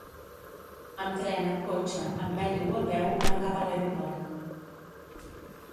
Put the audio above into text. Amb tren, amb cotxe, amb metro o a peu, van cap a l’aeroport.